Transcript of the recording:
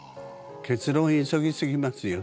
結論を急ぎ過ぎますよ